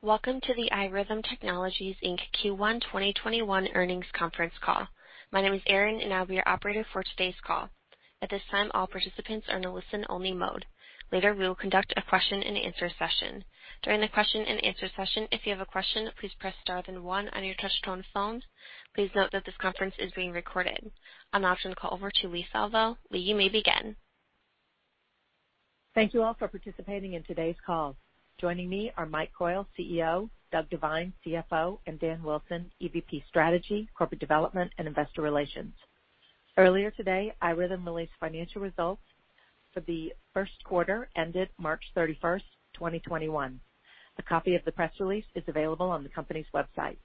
Welcome to the iRhythm Technologies, Inc. Q1 2021 earnings conference call. My name is Erin, and I'll be your operator for today's call. At this time, all participants are in a listen-only mode. Later, we will conduct a question and answer session. During the question and answer session, if you have a question, please press star then one on your touch-tone phone. Please note that this conference is being recorded. I'll now turn the call over to Leigh Salvo. Leigh, you may begin. Thank you all for participating in today's call. Joining me are Mike Coyle, CEO, Doug Devine, CFO, and Daniel Wilson, EVP, Strategy, Corporate Development, and Investor Relations. Earlier today, iRhythm released financial results for the first quarter ended March 31st, 2021. A copy of the press release is available on the company's website.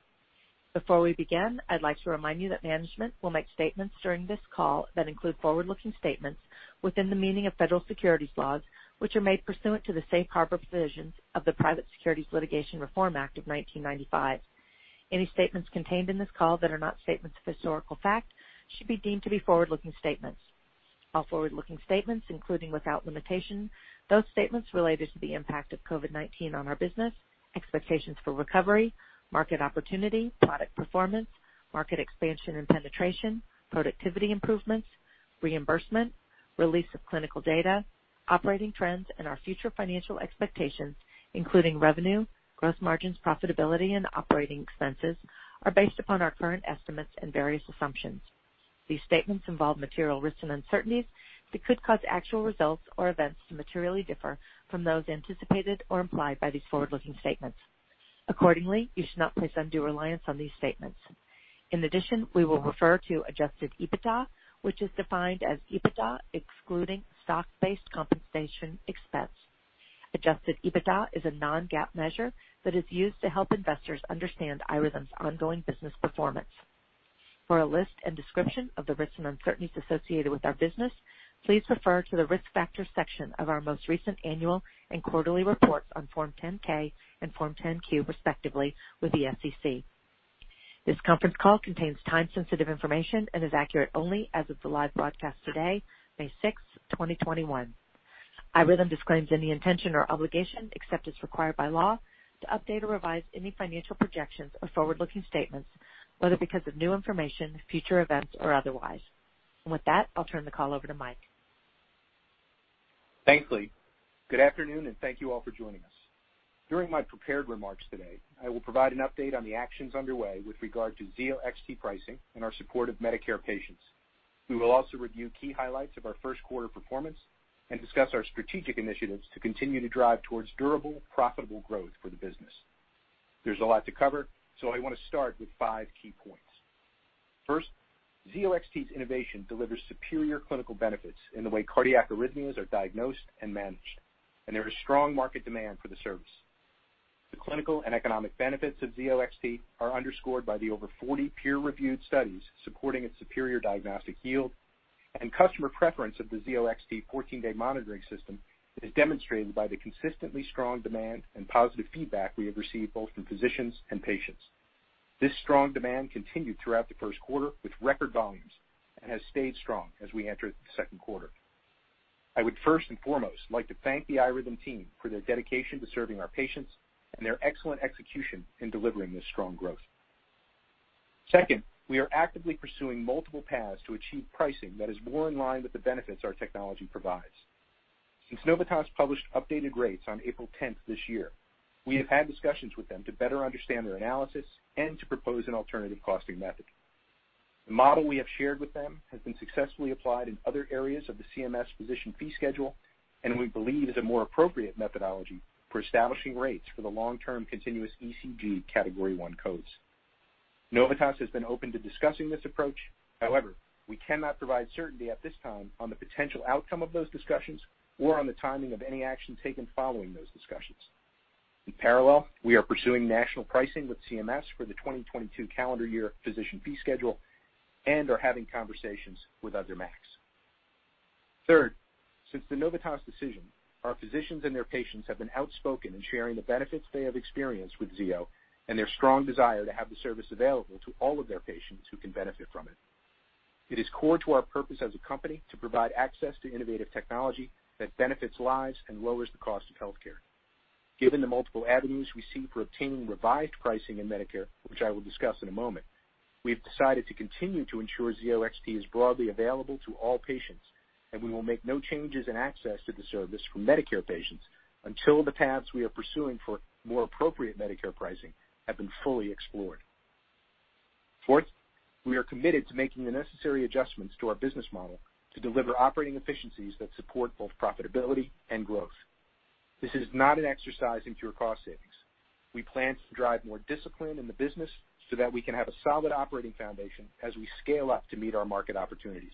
Before we begin, I'd like to remind you that management will make statements during this call that include forward-looking statements within the meaning of federal securities laws, which are made pursuant to the safe harbor provisions of the Private Securities Litigation Reform Act of 1995. Any statements contained in this call that are not statements of historical fact should be deemed to be forward-looking statements. All forward-looking statements, including without limitation, those statements related to the impact of COVID-19 on our business, expectations for recovery, market opportunity, product performance, market expansion and penetration, productivity improvements, reimbursement, release of clinical data, operating trends, and our future financial expectations, including revenue, gross margins, profitability, and operating expenses, are based upon our current estimates and various assumptions. These statements involve material risks and uncertainties that could cause actual results or events to materially differ from those anticipated or implied by these forward-looking statements. Accordingly, you should not place undue reliance on these statements. In addition, we will refer to adjusted EBITDA, which is defined as EBITDA excluding stock-based compensation expense. Adjusted EBITDA is a non-GAAP measure that is used to help investors understand iRhythm's ongoing business performance. For a list and description of the risks and uncertainties associated with our business, please refer to the Risk Factors section of our most recent annual and quarterly reports on Form 10-K and Form 10-Q, respectively, with the SEC. This conference call contains time-sensitive information and is accurate only as of the live broadcast today, May 6th, 2021. iRhythm disclaims any intention or obligation, except as required by law, to update or revise any financial projections or forward-looking statements, whether because of new information, future events, or otherwise. With that, I'll turn the call over to Mike. Thanks, Leigh. Good afternoon, and thank you all for joining us. During my prepared remarks today, I will provide an update on the actions underway with regard to Zio XT pricing and our support of Medicare patients. We will also review key highlights of our first-quarter performance and discuss our strategic initiatives to continue to drive towards durable, profitable growth for the business. There's a lot to cover. I want to start with five key points. First, Zio XT's innovation delivers superior clinical benefits in the way cardiac arrhythmias are diagnosed and managed. There is strong market demand for the service. The clinical and economic benefits of Zio XT are underscored by the over 40 peer-reviewed studies supporting its superior diagnostic yield and customer preference of the Zio XT 14-day monitoring system that is demonstrated by the consistently strong demand and positive feedback we have received both from physicians and patients. This strong demand continued throughout the first quarter with record volumes and has stayed strong as we enter the second quarter. I would first and foremost like to thank the iRhythm team for their dedication to serving our patients and their excellent execution in delivering this strong growth. Second, we are actively pursuing multiple paths to achieve pricing that is more in line with the benefits our technology provides. Since Novitas published updated rates on April 10th this year, we have had discussions with them to better understand their analysis and to propose an alternative costing method. The model we have shared with them has been successfully applied in other areas of the CMS Physician Fee Schedule and we believe is a more appropriate methodology for establishing rates for the long-term continuous ECG Category I CPT codes. Novitas has been open to discussing this approach. We cannot provide certainty at this time on the potential outcome of those discussions or on the timing of any action taken following those discussions. In parallel, we are pursuing national pricing with CMS for the 2022 calendar year Physician Fee Schedule and are having conversations with other MACs. Third, since the Novitas decision, our physicians and their patients have been outspoken in sharing the benefits they have experienced with Zio and their strong desire to have the service available to all of their patients who can benefit from it. It is core to our purpose as a company to provide access to innovative technology that benefits lives and lowers the cost of healthcare. Given the multiple avenues we see for obtaining revised pricing in Medicare, which I will discuss in a moment, we have decided to continue to ensure Zio XT is broadly available to all patients, and we will make no changes in access to the service for Medicare patients until the paths we are pursuing for more appropriate Medicare pricing have been fully explored. Fourth, we are committed to making the necessary adjustments to our business model to deliver operating efficiencies that support both profitability and growth. This is not an exercise in pure cost savings. We plan to drive more discipline in the business so that we can have a solid operating foundation as we scale up to meet our market opportunities.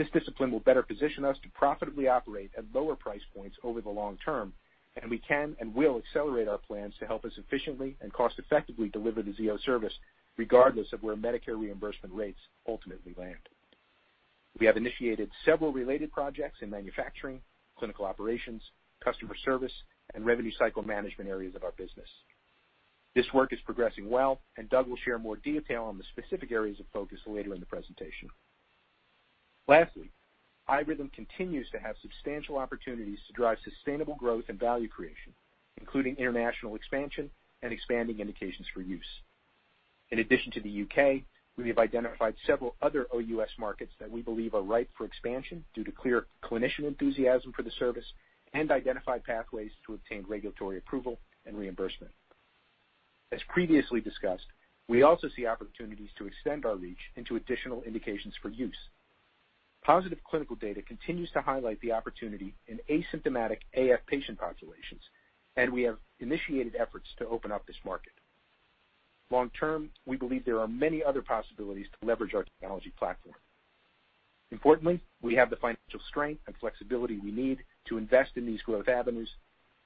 This discipline will better position us to profitably operate at lower price points over the long term, and we can and will accelerate our plans to help us efficiently and cost-effectively deliver the Zio service regardless of where Medicare reimbursement rates ultimately land. We have initiated several related projects in manufacturing, clinical operations, customer service, and revenue cycle management areas of our business. This work is progressing well, and Doug will share more detail on the specific areas of focus later in the presentation. Lastly, iRhythm continues to have substantial opportunities to drive sustainable growth and value creation, including international expansion and expanding indications for use. In addition to the U.K., we have identified several other OUS markets that we believe are ripe for expansion due to clear clinician enthusiasm for the service and identified pathways to obtain regulatory approval and reimbursement. As previously discussed, we also see opportunities to extend our reach into additional indications for use. Positive clinical data continues to highlight the opportunity in asymptomatic AF patient populations, and we have initiated efforts to open up this market. Long term, we believe there are many other possibilities to leverage our technology platform. Importantly, we have the financial strength and flexibility we need to invest in these growth avenues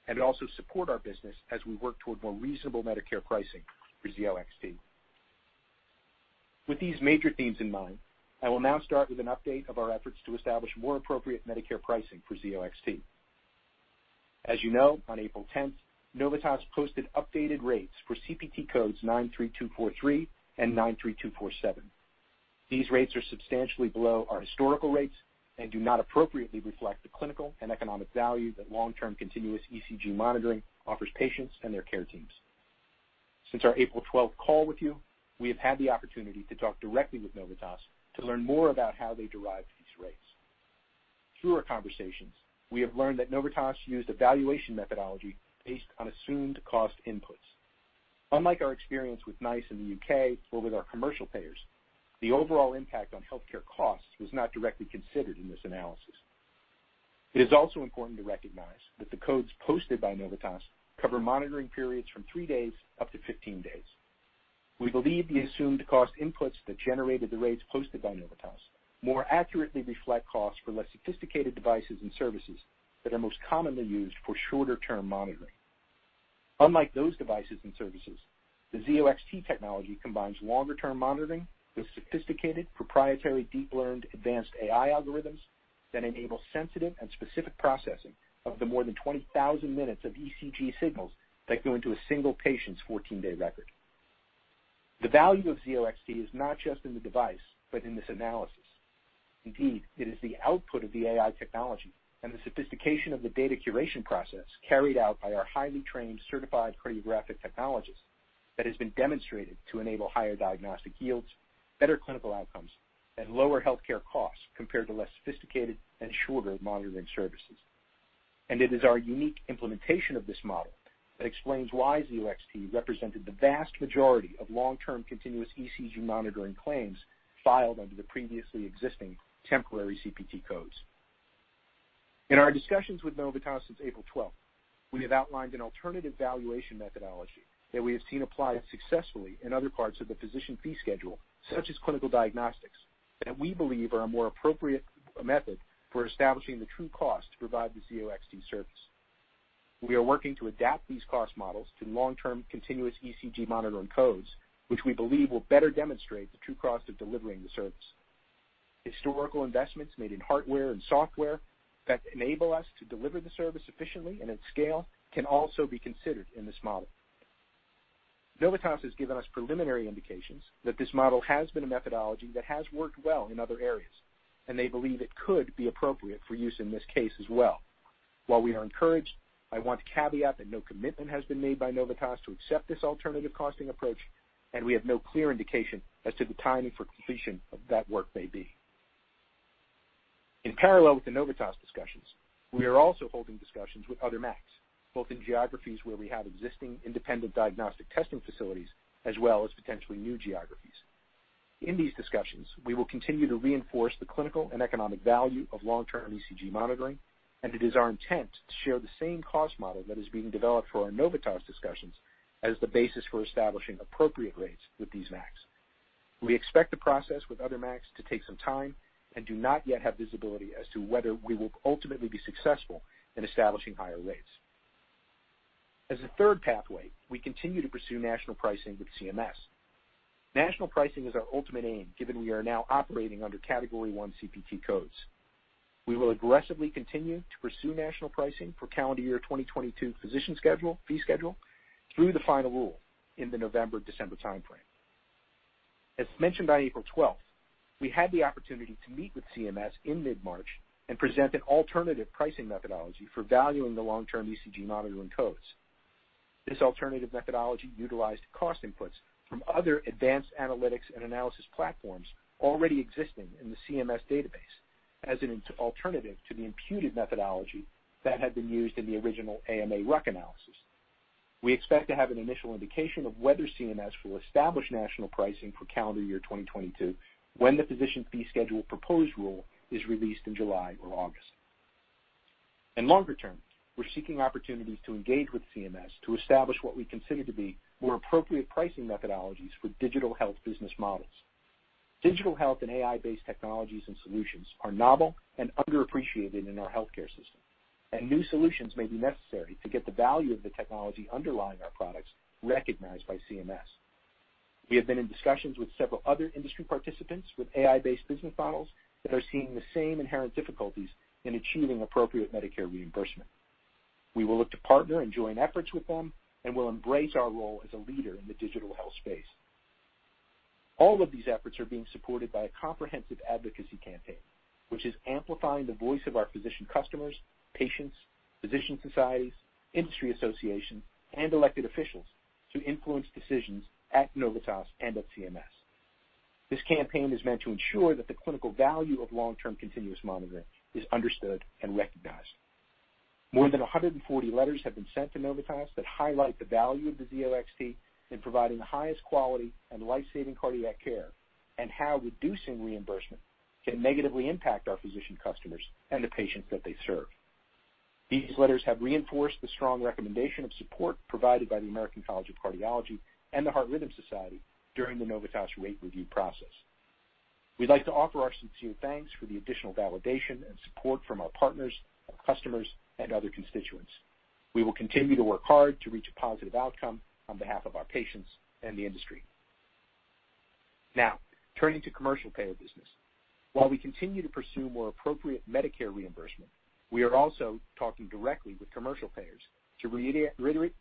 and also support our business as we work toward more reasonable Medicare pricing for Zio XT. With these major themes in mind, I will now start with an update of our efforts to establish more appropriate Medicare pricing for Zio XT. As you know, on April 10th, Novitas posted updated rates for CPT codes 93243 and 93247. These rates are substantially below our historical rates and do not appropriately reflect the clinical and economic value that long-term continuous ECG monitoring offers patients and their care teams. Since our April 12th call with you, we have had the opportunity to talk directly with Novitas to learn more about how they derived these rates. Through our conversations, we have learned that Novitas used a valuation methodology based on assumed cost inputs. Unlike our experience with NICE in the U.K. or with our commercial payers, the overall impact on healthcare costs was not directly considered in this analysis. It is also important to recognize that the codes posted by Novitas cover monitoring periods from three days up to 15 days. We believe the assumed cost inputs that generated the rates posted by Novitas more accurately reflect costs for less sophisticated devices and services that are most commonly used for shorter-term monitoring. Unlike those devices and services, the Zio XT technology combines longer-term monitoring with sophisticated proprietary deep learned advanced AI algorithms that enable sensitive and specific processing of the more than 20,000 minutes of ECG signals that go into a single patient's 14-day record. The value of Zio XT is not just in the device but in this analysis. Indeed, it is the output of the AI technology and the sophistication of the data curation process carried out by our highly trained certified cardiographic technologists that has been demonstrated to enable higher diagnostic yields, better clinical outcomes, and lower healthcare costs compared to less sophisticated and shorter monitoring services. It is our unique implementation of this model that explains why Zio XT represented the vast majority of long-term continuous ECG monitoring claims filed under the previously existing temporary CPT codes. In our discussions with Novitas since April 12th, we have outlined an alternative valuation methodology that we have seen applied successfully in other parts of the Physician Fee Schedule, such as clinical diagnostics, that we believe are a more appropriate method for establishing the true cost to provide the Zio XT service. We are working to adapt these cost models to long-term continuous ECG monitoring codes, which we believe will better demonstrate the true cost of delivering the service. Historical investments made in hardware and software that enable us to deliver the service efficiently and at scale can also be considered in this model. Novitas has given us preliminary indications that this model has been a methodology that has worked well in other areas, and they believe it could be appropriate for use in this case as well. While we are encouraged, I want to caveat that no commitment has been made by Novitas to accept this alternative costing approach, and we have no clear indication as to the timing for completion of that work may be. In parallel with the Novitas discussions, we are also holding discussions with other MACs, both in geographies where we have existing Independent Diagnostic Testing Facilities, as well as potentially new geographies. In these discussions, we will continue to reinforce the clinical and economic value of long-term ECG monitoring, and it is our intent to share the same cost model that is being developed for our Novitas discussions as the basis for establishing appropriate rates with these MACs. We expect the process with other MACs to take some time and do not yet have visibility as to whether we will ultimately be successful in establishing higher rates. As a third pathway, we continue to pursue national pricing with CMS. National pricing is our ultimate aim, given we are now operating under Category I CPT codes. We will aggressively continue to pursue national pricing for calendar year 2022 Physician Fee Schedule through the final rule in the November-December timeframe. As mentioned on April 12th, we had the opportunity to meet with CMS in mid-March and present an alternative pricing methodology for valuing the long-term ECG monitoring codes. This alternative methodology utilized cost inputs from other advanced analytics and analysis platforms already existing in the CMS database as an alternative to the imputed methodology that had been used in the original AMA RUC analysis. We expect to have an initial indication of whether CMS will establish national pricing for calendar year 2022 when the physician fee schedule proposed rule is released in July or August. In longer term, we're seeking opportunities to engage with CMS to establish what we consider to be more appropriate pricing methodologies for digital health business models. Digital health and AI-based technologies and solutions are novel and underappreciated in our healthcare system, and new solutions may be necessary to get the value of the technology underlying our products recognized by CMS. We have been in discussions with several other industry participants with AI-based business models that are seeing the same inherent difficulties in achieving appropriate Medicare reimbursement. We will look to partner and join efforts with them, and we'll embrace our role as a leader in the digital health space. All of these efforts are being supported by a comprehensive advocacy campaign, which is amplifying the voice of our physician customers, patients, physician societies, industry associations, and elected officials to influence decisions at Novitas and at CMS. This campaign is meant to ensure that the clinical value of long-term continuous monitoring is understood and recognized. More than 140 letters have been sent to Novitas that highlight the value of the Zio XT in providing the highest quality and life-saving cardiac care, and how reducing reimbursement can negatively impact our physician customers and the patients that they serve. These letters have reinforced the strong recommendation of support provided by the American College of Cardiology and the Heart Rhythm Society during the Novitas rate review process. We'd like to offer our sincere thanks for the additional validation and support from our partners, our customers, and other constituents. We will continue to work hard to reach a positive outcome on behalf of our patients and the industry. Turning to commercial payer business. While we continue to pursue more appropriate Medicare reimbursement, we are also talking directly with commercial payers to reiterate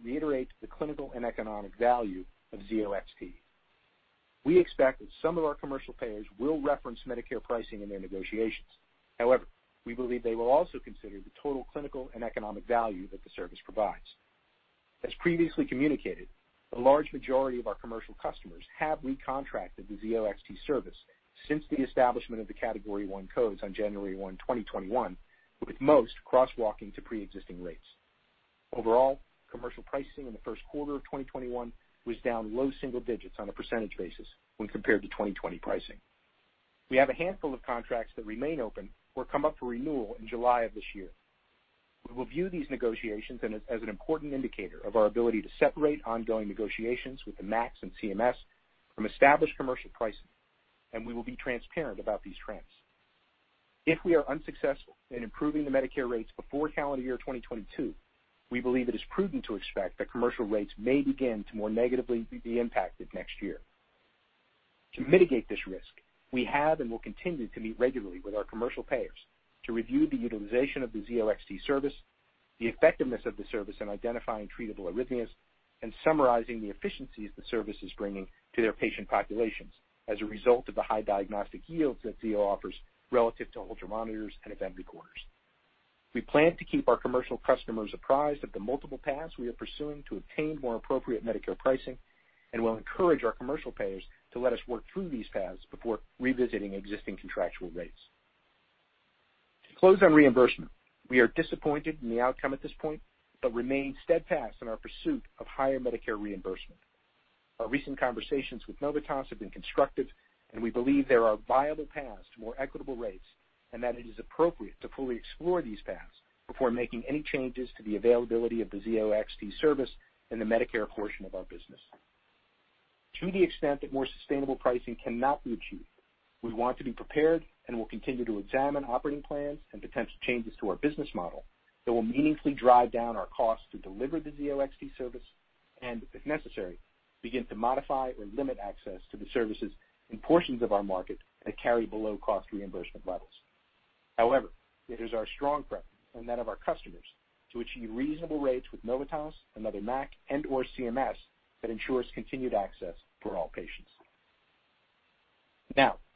the clinical and economic value of Zio XT. We expect that some of our commercial payers will reference Medicare pricing in their negotiations. We believe they will also consider the total clinical and economic value that the service provides. As previously communicated, a large majority of our commercial customers have recontracted the Zio XT service since the establishment of the Category I CPT codes on January 1, 2021, with most crosswalking to pre-existing rates. Overall, commercial pricing in the first quarter of 2021 was down low single digits on a percentage basis when compared to 2020 pricing. We have a handful of contracts that remain open or come up for renewal in July of this year. We will view these negotiations as an important indicator of our ability to separate ongoing negotiations with the MACs and CMS from established commercial pricing, and we will be transparent about these trends. If we are unsuccessful in improving the Medicare rates before calendar year 2022, we believe it is prudent to expect that commercial rates may begin to more negatively be impacted next year. To mitigate this risk, we have and will continue to meet regularly with our commercial payers to review the utilization of the Zio XT service, the effectiveness of the service in identifying treatable arrhythmias, and summarizing the efficiencies the service is bringing to their patient populations as a result of the high diagnostic yields that Zio offers relative to Holter monitors and event recorders. We plan to keep our commercial customers apprised of the multiple paths we are pursuing to obtain more appropriate Medicare pricing and will encourage our commercial payers to let us work through these paths before revisiting existing contractual rates. To close on reimbursement, we are disappointed in the outcome at this point, but remain steadfast in our pursuit of higher Medicare reimbursement. Our recent conversations with Novitas have been constructive, and we believe there are viable paths to more equitable rates, and that it is appropriate to fully explore these paths before making any changes to the availability of the Zio XT service in the Medicare portion of our business. To the extent that more sustainable pricing cannot be achieved, we want to be prepared and will continue to examine operating plans and potential changes to our business model that will meaningfully drive down our cost to deliver the Zio XT service and, if necessary, begin to modify or limit access to the services in portions of our market that carry below cost reimbursement levels. It is our strong preference and that of our customers to achieve reasonable rates with Novitas, another MAC, and/or CMS that ensures continued access for all patients.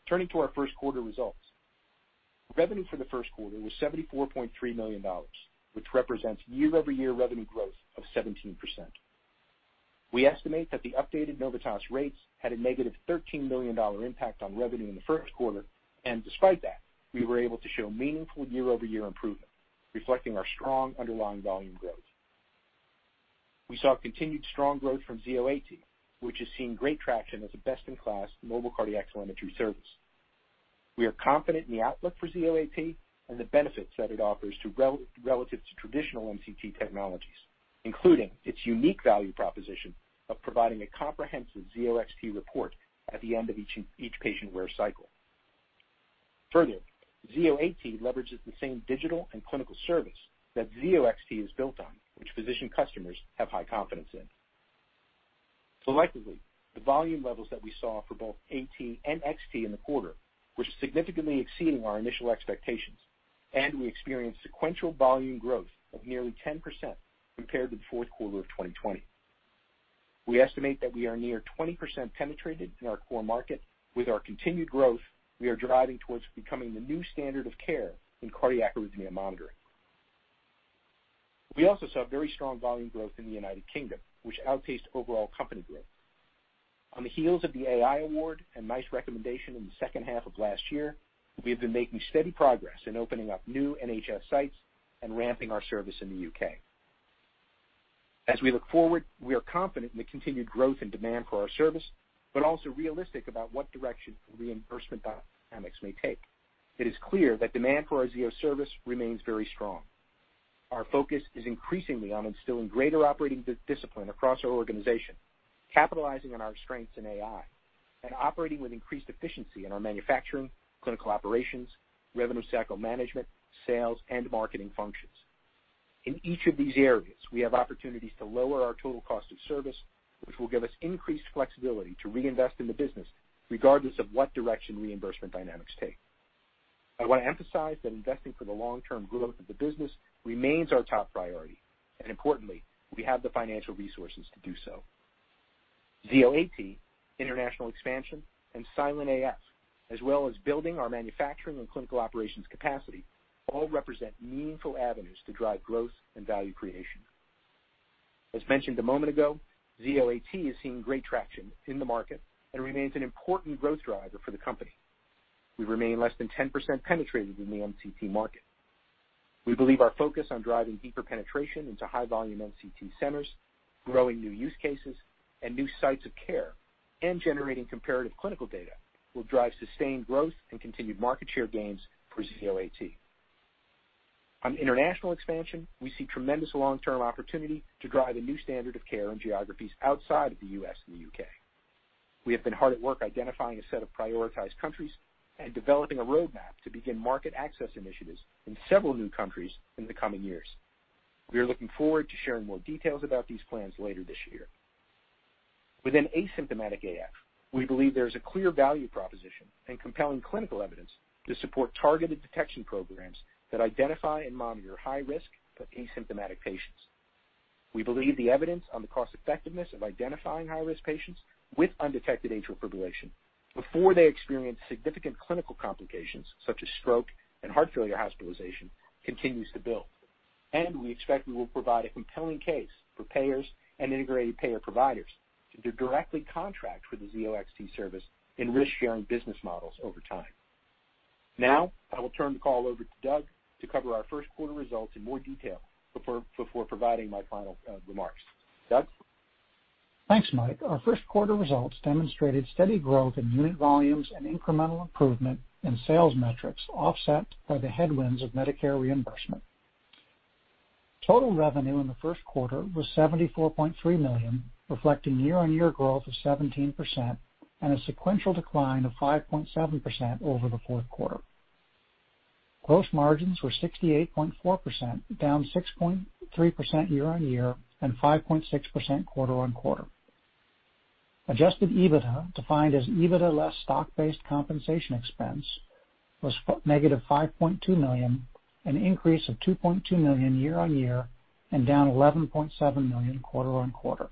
Turning to our first quarter results. Revenue for the first quarter was $74.3 million, which represents year-over-year revenue growth of 17%. We estimate that the updated Novitas rates had a negative $13 million impact on revenue in the first quarter. Despite that, we were able to show meaningful year-over-year improvement, reflecting our strong underlying volume growth. We saw continued strong growth from Zio AT, which has seen great traction as a best-in-class mobile cardiac telemetry service. We are confident in the outlook for Zio AT and the benefits that it offers relative to traditional MCT technologies, including its unique value proposition of providing a comprehensive Zio XT report at the end of each patient wear cycle. Further, Zio AT leverages the same digital and clinical service that Zio XT is built on, which physician customers have high confidence in. Selectively, the volume levels that we saw for both AT and XT in the quarter were significantly exceeding our initial expectations, and we experienced sequential volume growth of nearly 10% compared to the fourth quarter of 2020. We estimate that we are near 20% penetrated in our core market. With our continued growth, we are driving towards becoming the new standard of care in cardiac arrhythmia monitoring. We also saw very strong volume growth in the United Kingdom, which outpaced overall company growth. On the heels of the AI award and NICE recommendation in the second half of last year, we have been making steady progress in opening up new NHS sites and ramping our service in the U.K. As we look forward, we are confident in the continued growth and demand for our service, but also realistic about what direction reimbursement dynamics may take. It is clear that demand for our Zio service remains very strong. Our focus is increasingly on instilling greater operating discipline across our organization, capitalizing on our strengths in AI, and operating with increased efficiency in our manufacturing, clinical operations, revenue cycle management, sales, and marketing functions. In each of these areas, we have opportunities to lower our total cost of service, which will give us increased flexibility to reinvest in the business regardless of what direction reimbursement dynamics take. I want to emphasize that investing for the long-term growth of the business remains our top priority, and importantly, we have the financial resources to do so. Zio AT, international expansion, and silent AF, as well as building our manufacturing and clinical operations capacity, all represent meaningful avenues to drive growth and value creation. As mentioned a moment ago, Zio AT is seeing great traction in the market and remains an important growth driver for the company. We remain less than 10% penetrated in the MCT market. We believe our focus on driving deeper penetration into high-volume MCT centers, growing new use cases and new sites of care, and generating comparative clinical data will drive sustained growth and continued market share gains for Zio AT. On international expansion, we see tremendous long-term opportunity to drive a new standard of care in geographies outside of the U.S. and the U.K. We have been hard at work identifying a set of prioritized countries and developing a roadmap to begin market access initiatives in several new countries in the coming years. We are looking forward to sharing more details about these plans later this year. Within asymptomatic AF, we believe there is a clear value proposition and compelling clinical evidence to support targeted detection programs that identify and monitor high risk but asymptomatic patients. We believe the evidence on the cost effectiveness of identifying high-risk patients with undetected atrial fibrillation before they experience significant clinical complications such as stroke and heart failure hospitalization continues to build, and we expect we will provide a compelling case for payers and integrated payer providers to directly contract for the Zio XT service in risk-sharing business models over time. Now, I will turn the call over to Doug to cover our first quarter results in more detail before providing my final remarks. Doug? Thanks, Mike. Our first quarter results demonstrated steady growth in unit volumes and incremental improvement in sales metrics, offset by the headwinds of Medicare reimbursement. Total revenue in the first quarter was $74.3 million, reflecting year-on-year growth of 17% and a sequential decline of 5.7% over the fourth quarter. Gross margins were 68.4%, down 6.3% year-on-year and 5.6% quarter-on-quarter. Adjusted EBITDA, defined as EBITDA less stock-based compensation expense, was $-5.2 million, an increase of $2.2 million year-on-year and down $11.7 million quarter-on-quarter.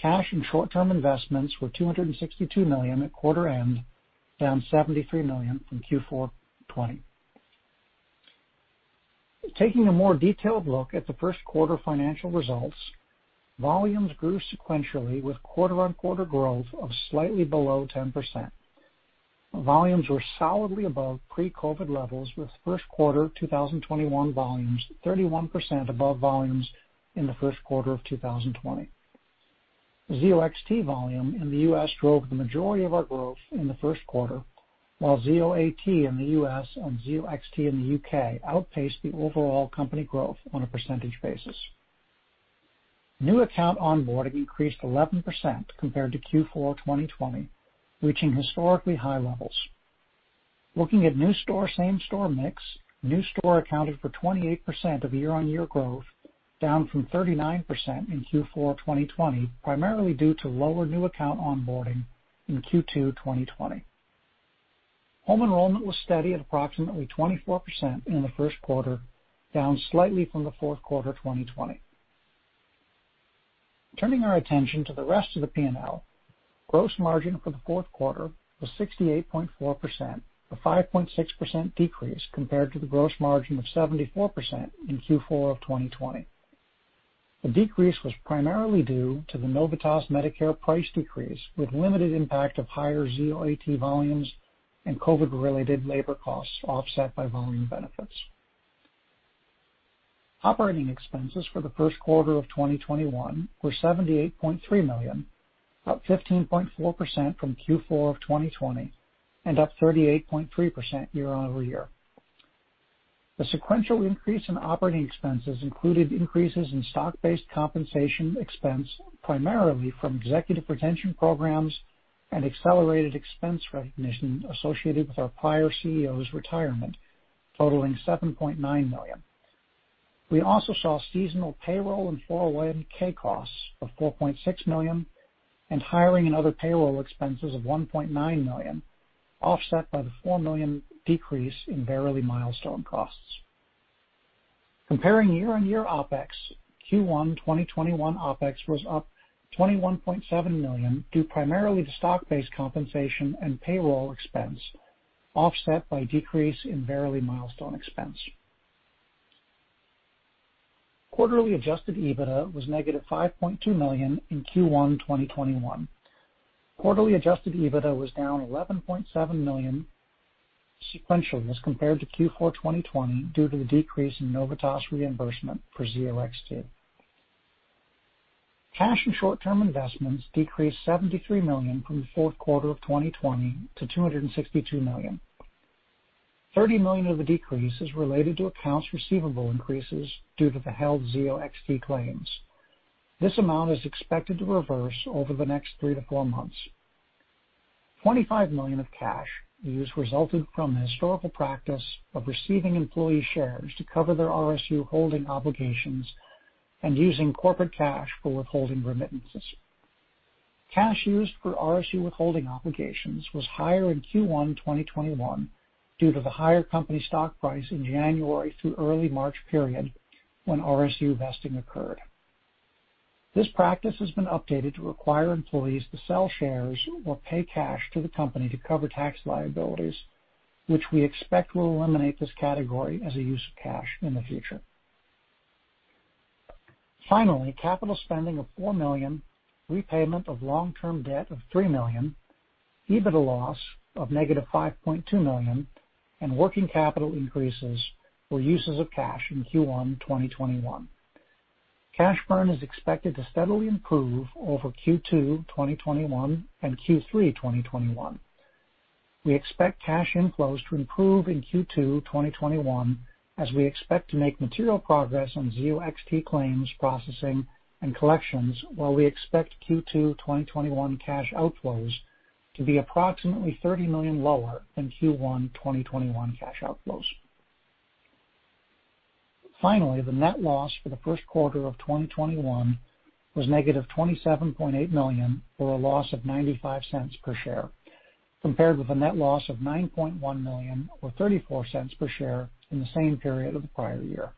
Cash and short-term investments were $262 million at quarter end, down $73 million from Q4 2020. Taking a more detailed look at the first quarter financial results, volumes grew sequentially with quarter-on-quarter growth of slightly below 10%. Volumes were solidly above pre-COVID levels, with first quarter 2021 volumes 31% above volumes in the first quarter of 2020. Zio XT volume in the U.S. drove the majority of our growth in the first quarter, while Zio AT in the U.S. and Zio XT in the U.K. outpaced the overall company growth on a percentage basis. New account onboarding increased 11% compared to Q4 2020, reaching historically high levels. Looking at new store, same-store mix, new store accounted for 28% of year-over-year growth, down from 39% in Q4 2020, primarily due to lower new account onboarding in Q2 2020. Home enrollment was steady at approximately 24% in the first quarter, down slightly from the fourth quarter 2020. Turning our attention to the rest of the P&L, gross margin for the fourth quarter was 68.4%, a 5.6% decrease compared to the gross margin of 74% in Q4 of 2020. The decrease was primarily due to the Novitas Solutions Medicare price decrease, with limited impact of higher Zio AT volumes and COVID-related labor costs, offset by volume benefits. Operating expenses for the first quarter of 2021 were $78.3 million, up 15.4% from Q4 of 2020 and up 38.3% year-over-year. The sequential increase in operating expenses included increases in stock-based compensation expense, primarily from executive retention programs and accelerated expense recognition associated with our prior CEO's retirement, totaling $7.9 million. We also saw seasonal payroll and 401(k) costs of $4.6 million and hiring and other payroll expenses of $1.9 million, offset by the $4 million decrease in Verily milestone costs. Comparing year-on-year OpEx, Q1 2021 OpEx was up $21.7 million due primarily to stock-based compensation and payroll expense, offset by decrease in Verily milestone expense. Quarterly adjusted EBITDA was $-5.2 million in Q1 2021. Quarterly adjusted EBITDA was down $11.7 million sequentially as compared to Q4 2020 due to the decrease in Novitas reimbursement for Zio XT. Cash and short-term investments decreased $73 million from the fourth quarter of 2020 to $262 million. $30 million of the decrease is related to accounts receivable increases due to the held Zio XT claims. This amount is expected to reverse over the next three to four months. $25 million of cash use resulted from the historical practice of receiving employee shares to cover their RSU holding obligations and using corporate cash for withholding remittances. Cash used for RSU withholding obligations was higher in Q1 2021 due to the higher company stock price in January through early March period when RSU vesting occurred. This practice has been updated to require employees to sell shares or pay cash to the company to cover tax liabilities, which we expect will eliminate this category as a use of cash in the future. Finally, capital spending of $4 million, repayment of long-term debt of $3 million, EBITDA loss of negative $5.2 million and working capital increases were uses of cash in Q1 2021. Cash burn is expected to steadily improve over Q2 2021 and Q3 2021. We expect cash inflows to improve in Q2 2021 as we expect to make material progress on Zio XT claims processing and collections, while we expect Q2 2021 cash outflows to be approximately $30 million lower than Q1 2021 cash outflows. The net loss for the first quarter of 2021 was $27.8 million or a loss of $0.95 per share, compared with a net loss of $9.1 million or $0.34 per share in the same period of the prior year.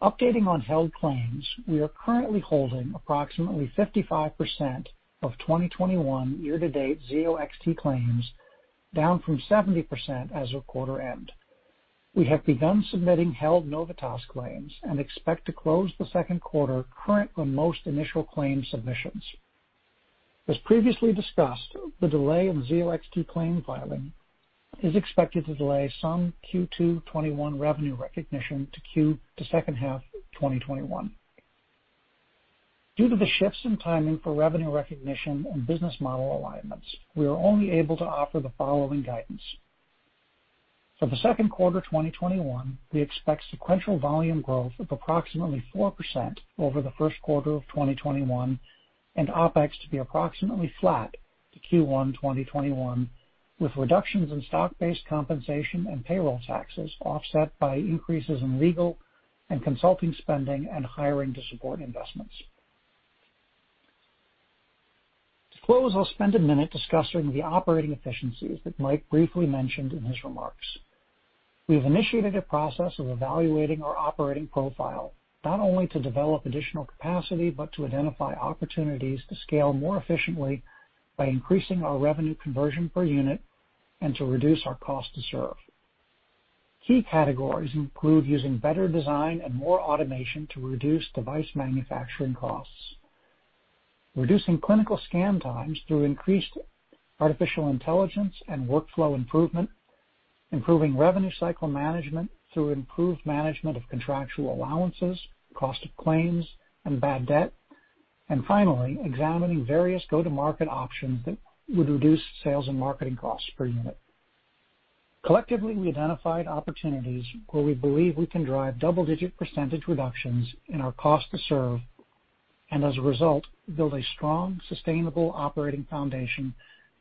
Updating on held claims, we are currently holding approximately 55% of 2021 year-to-date Zio XT claims, down from 70% as of quarter end. We have begun submitting held Novitas claims and expect to close the second quarter current on most initial claim submissions. As previously discussed, the delay of Zio XT claim filing is expected to delay some Q2 2021 revenue recognition to second half 2021. Due to the shifts in timing for revenue recognition and business model alignments, we are only able to offer the following guidance. For the second quarter 2021, we expect sequential volume growth of approximately 4% over the first quarter of 2021 and OpEx to be approximately flat to Q1 2021, with reductions in stock-based compensation and payroll taxes offset by increases in legal and consulting spending and hiring to support investments. To close, I'll spend a minute discussing the operating efficiencies that Mike briefly mentioned in his remarks. We have initiated a process of evaluating our operating profile, not only to develop additional capacity, but to identify opportunities to scale more efficiently by increasing our revenue conversion per unit and to reduce our cost to serve. Key categories include using better design and more automation to reduce device manufacturing costs, reducing clinical scan times through increased artificial intelligence and workflow improvement, improving revenue cycle management through improved management of contractual allowances, cost of claims, and bad debt, and finally, examining various go-to-market options that would reduce sales and marketing costs per unit. Collectively, we identified opportunities where we believe we can drive double-digit percentage reductions in our cost to serve, and as a result, build a strong, sustainable operating foundation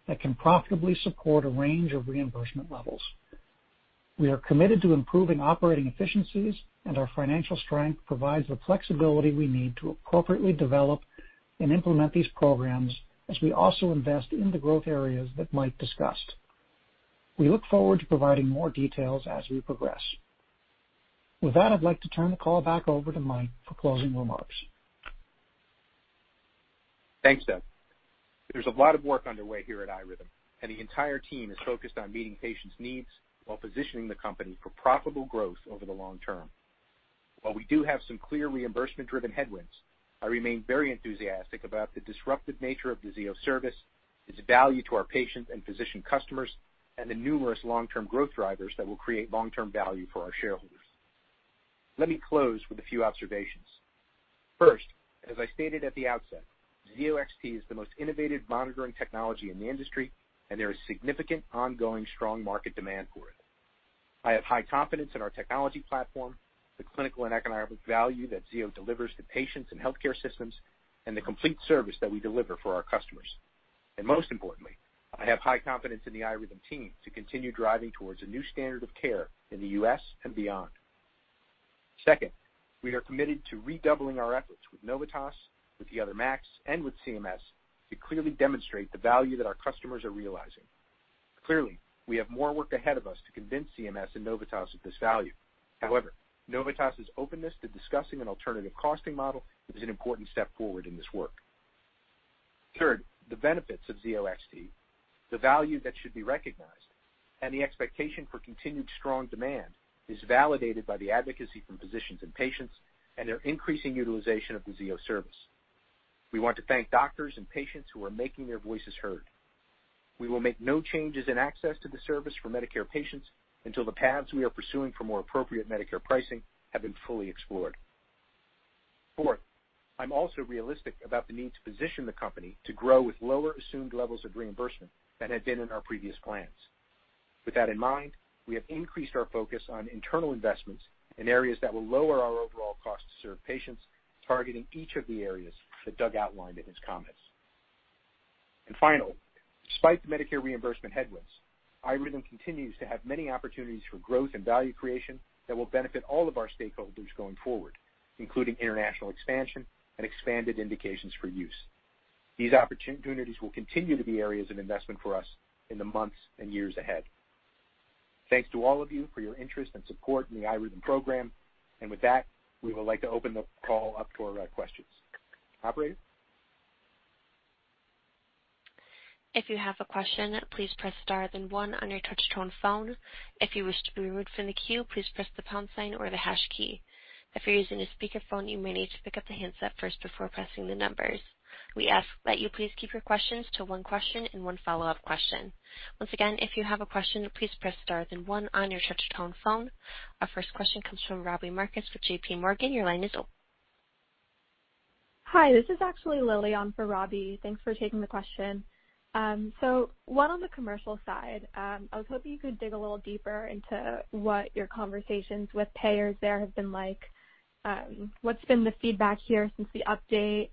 that can profitably support a range of reimbursement levels. We are committed to improving operating efficiencies, and our financial strength provides the flexibility we need to appropriately develop and implement these programs as we also invest in the growth areas that Mike discussed. We look forward to providing more details as we progress. With that, I'd like to turn the call back over to Mike for closing remarks. Thanks, Doug. There's a lot of work underway here at iRhythm, and the entire team is focused on meeting patients' needs while positioning the company for profitable growth over the long term. While we do have some clear reimbursement-driven headwinds, I remain very enthusiastic about the disruptive nature of the Zio Service, its value to our patients and physician customers, and the numerous long-term growth drivers that will create long-term value for our shareholders. Let me close with a few observations. First, as I stated at the outset, Zio XT is the most innovative monitoring technology in the industry, and there is significant ongoing strong market demand for it. I have high confidence in our technology platform, the clinical and economic value that Zio delivers to patients and healthcare systems, and the complete service that we deliver for our customers. Most importantly, I have high confidence in the iRhythm team to continue driving towards a new standard of care in the U.S. and beyond. Second, we are committed to redoubling our efforts with Novitas, with the other MACs, and with CMS to clearly demonstrate the value that our customers are realizing. Clearly, we have more work ahead of us to convince CMS and Novitas of this value. However, Novitas' openness to discussing an alternative costing model is an important step forward in this work. Third, the benefits of Zio XT, the value that should be recognized, and the expectation for continued strong demand is validated by the advocacy from physicians and patients and their increasing utilization of the Zio Service. We want to thank doctors and patients who are making their voices heard. We will make no changes in access to the service for Medicare patients until the paths we are pursuing for more appropriate Medicare pricing have been fully explored. Fourth, I'm also realistic about the need to position the company to grow with lower assumed levels of reimbursement than had been in our previous plans. With that in mind, we have increased our focus on internal investments in areas that will lower our overall cost to serve patients, targeting each of the areas that Doug outlined in his comments. Finally, despite the Medicare reimbursement headwinds, iRhythm continues to have many opportunities for growth and value creation that will benefit all of our stakeholders going forward, including international expansion and expanded indications for use. These opportunities will continue to be areas of investment for us in the months and years ahead. Thanks to all of you for your interest and support in the iRhythm program. With that, we would like to open the call up for questions. Operator? If you have a question, please press star and one on your touch-tone phone. If you wish to be removed from the queue, please press the pound sign or the hash key. If you're using a speakerphone, you may need to pick up the handset first before pressing the numbers. We ask that you please keep your questions to one question and one follow-up question. Once again, if you have a question, please press star and one on your touch-tone phone. Our first question comes from Robbie Marcus with JPMorgan. Your line is open. Hi, this is actually Lillian for Robbie. Thanks for taking the question. One on the commercial side, I was hoping you could dig a little deeper into what your conversations with payers there have been like. What's been the feedback here since the update?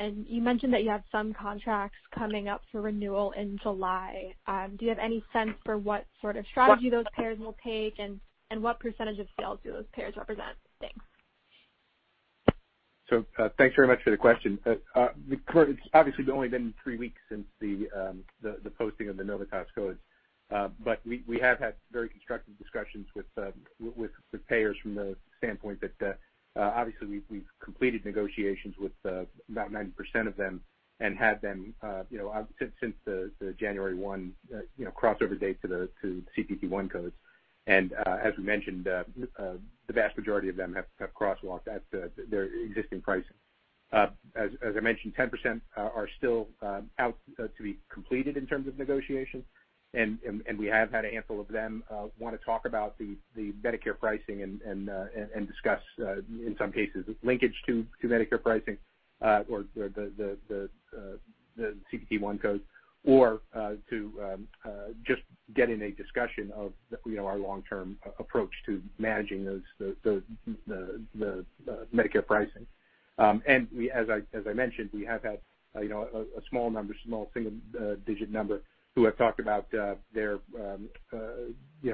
You mentioned that you have some contracts coming up for renewal in July. Do you have any sense for what sort of strategy those payers will take and what percentage of sales do those payers represent? Thanks. Thanks very much for the question. It's obviously only been three weeks since the posting of the Novitas codes. We have had very constructive discussions with payers from the standpoint that obviously we've completed negotiations with about 90% of them and have been since the January 1 crossover date to the CPT1 codes. As we mentioned, the vast majority of them have crosswalked at their existing pricing. As I mentioned, 10% are still out to be completed in terms of negotiations, and we have had a handful of them want to talk about the Medicare pricing and discuss, in some cases, linkage to Medicare pricing or the CPT1 codes or to just getting a discussion of our long-term approach to managing the Medicare pricing. As I mentioned, we have had a small number, single-digit number, who have talked about their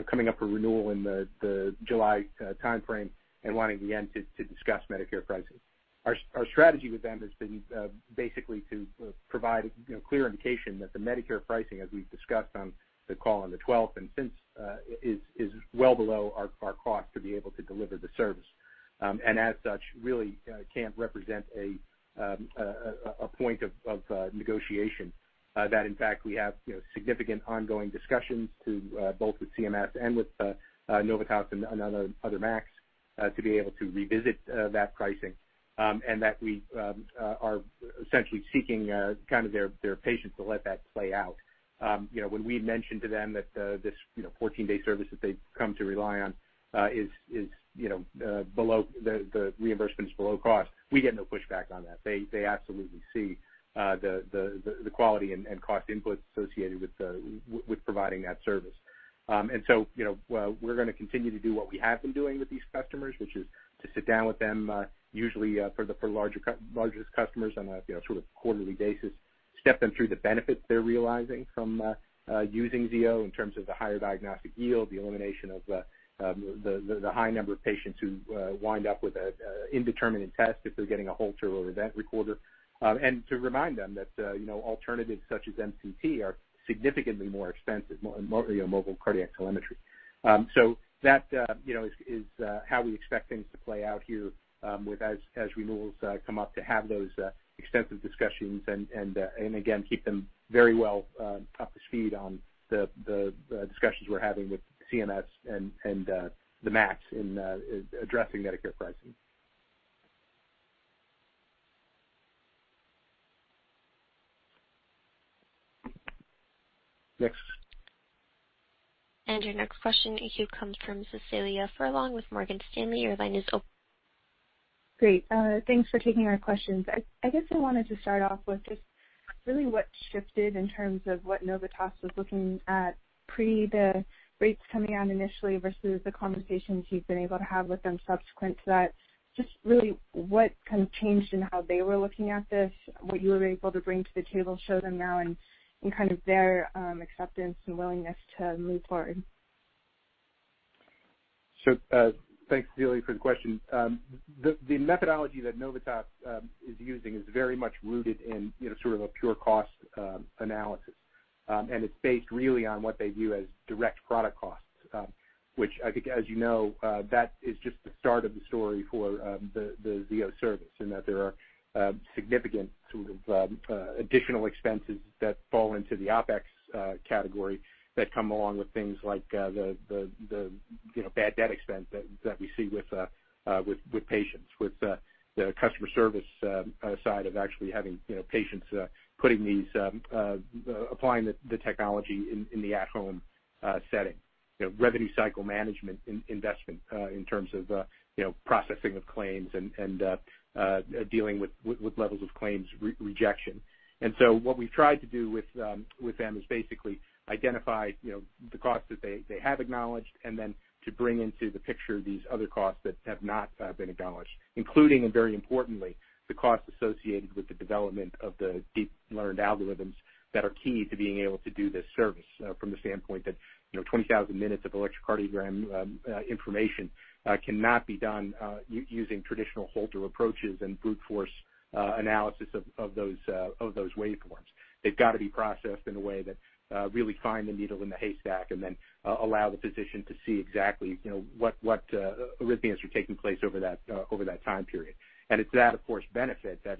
coming up for renewal in the July timeframe and wanting to discuss Medicare pricing. Our strategy with them is basically to provide clear indication that the Medicare pricing, as we've discussed on the call on the 12th and since, is well below our cost to be able to deliver the service. As such, really can't represent a point of negotiation. That in fact, we have significant ongoing discussions to both the CMS and with Novitas and other MACs to be able to revisit that pricing and that we are essentially seeking their patience to let that play out. When we mention to them that this 14-day service that they've come to rely on, the reimbursement's below cost, we get no pushback on that. They absolutely see the quality and cost inputs associated with providing that service. We're going to continue to do what we have been doing with these customers, which is to sit down with them, usually for larger customers on a sort of quarterly basis, step them through the benefits they're realizing from using Zio in terms of the higher diagnostic yield, the elimination of the high number of patients who wind up with an indeterminate test if they're getting a Holter or event recorder. To remind them that alternatives such as MCT are significantly more expensive, mobile cardiac telemetry. That is how we expect things to play out here as renewals come up to have those extensive discussions and again, keep them very well up to speed on the discussions we're having with CMS and the MACs in addressing Medicare pricing. Your next question comes from Cecilia Furlong with Morgan Stanley. Your line is open. Great. Thanks for taking our questions. I guess I wanted to start off with just really what shifted in terms of what Novitas was looking at pre the rates coming down initially versus the conversations you've been able to have with them subsequent to that. Just really what kind of changed in how they were looking at this and what you were able to bring to the table to show them now and kind of their acceptance and willingness to move forward. Thanks, Cecilia, for the question. The methodology that Novitas Solutions is using is very much rooted in sort of a pure cost analysis, and it's based really on what they view as direct product costs. Which I think as you know, that is just the start of the story for the Zio Service and that there are significant sort of additional expenses that fall into the OpEx category that come along with things like the bad debt expense that we see with patients, with the customer service side of actually having patients applying the technology in the at-home setting, revenue cycle management investment in terms of processing of claims and dealing with levels of claims rejection. What we've tried to do with them is basically identify the costs that they have acknowledged and then to bring into the picture these other costs that have not been acknowledged, including, and very importantly, the cost associated with the development of the deep learned algorithms that are key to being able to do this service from the standpoint that 20,000 minutes of electrocardiogram information cannot be done using traditional Holter approaches and brute force analysis of those waveforms. They've got to be processed in a way that really find the needle in the haystack, and then allow the physician to see exactly what arrhythmias are taking place over that time period. It's that, of course, benefit that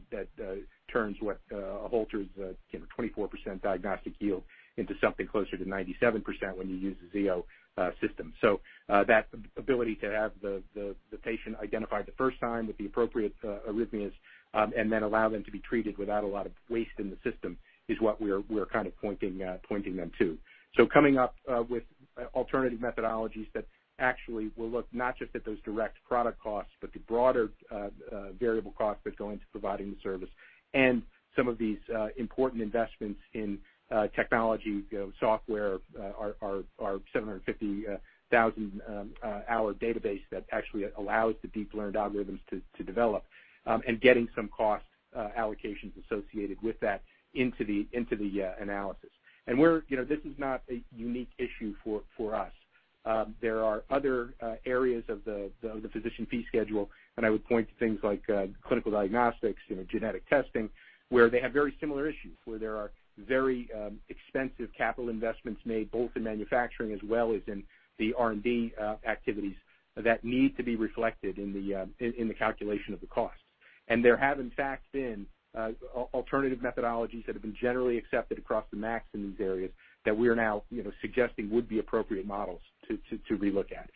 turns what a Holter's 24% diagnostic yield into something closer to 97% when you use the Zio system. That ability to have the patient identified the first time with the appropriate arrhythmias, and then allow them to be treated without a lot of waste in the system is what we're kind of pointing them to. Coming up with alternative methodologies that actually will look not just at those direct product costs, but the broader variable costs that go into providing the service and some of these important investments in technology, software, our 750,000-hour database that actually allows the deep learned algorithms to develop, and getting some cost allocations associated with that into the analysis. This is not a unique issue for us. There are other areas of the Physician Fee Schedule. I would point to things like clinical diagnostics, genetic testing, where they have very similar issues, where there are very expensive capital investments made both in manufacturing as well as in the R&D activities that need to be reflected in the calculation of the cost. There have, in fact, been alternative methodologies that have been generally accepted across the MACs in these areas that we are now suggesting would be appropriate models to re-look at.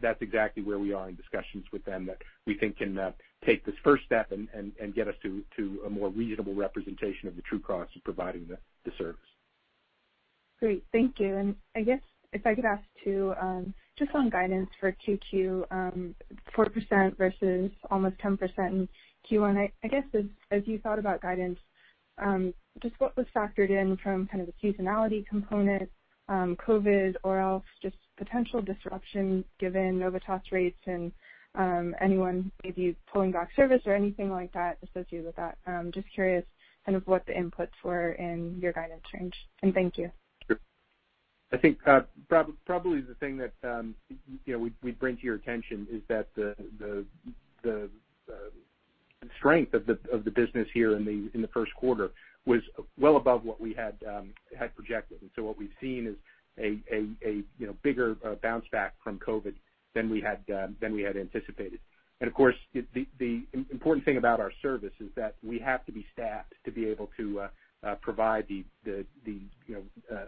That's exactly where we are in discussions with them that we think can take this first step and get us to a more reasonable representation of the true cost of providing the service. Great. Thank you. I guess if I could ask too, just on guidance for 2Q, 4% versus almost 10% in Q1, I guess as you thought about guidance, just what was factored in from kind of the seasonality component, COVID or else just potential disruption given Novitas rates and anyone, maybe pulling back service or anything like that associated with that? Just curious kind of what the inputs were in your guidance change. Thank you. Sure. I think probably the thing that we'd bring to your attention is that the strength of the business here in the first quarter was well above what we had projected. What we've seen is a bigger bounce back from COVID than we had anticipated. The important thing about our service is that we have to be staffed to be able to provide the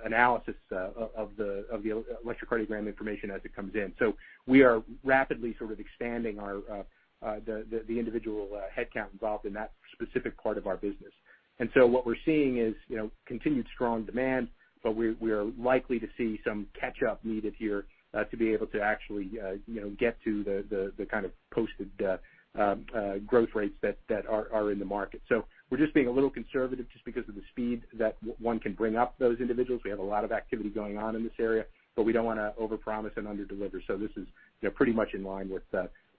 analysis of the electrocardiogram information as it comes in. We are rapidly sort of expanding the individual headcount involved in that specific part of our business. What we're seeing is continued strong demand, but we are likely to see some catch up needed here to be able to actually get to the kind of posted growth rates that are in the market. We're just being a little conservative just because of the speed that one can bring up those individuals. We have a lot of activity going on in this area, but we don't want to overpromise and underdeliver. This is pretty much in line with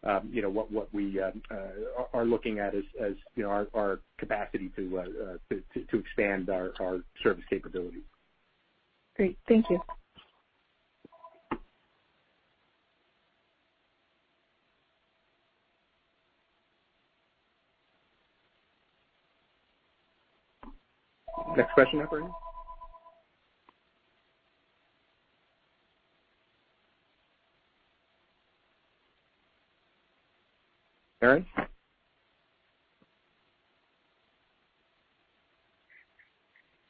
what we are looking at as our capacity to expand our service capability. Great. Thank you. Next question operator. Erin?